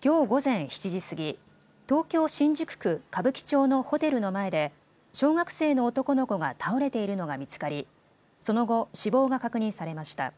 きょう午前７時過ぎ、東京新宿区歌舞伎町のホテルの前で小学生の男の子が倒れているのが見つかり、その後、死亡が確認されました。